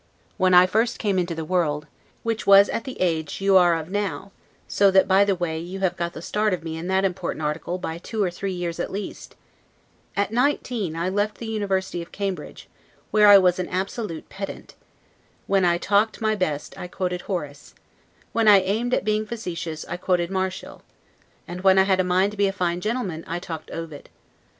When I first came into the world, which was at the age you are of now, so that, by the way, you have got the start of me in that important article by two or three years at least, at nineteen I left the University of Cambridge, where I was an absolute pedant; when I talked my best, I quoted Horace; when I aimed at being facetious, I quoted Martial; and when I had a mind to be a fine gentleman, I talked Ovid.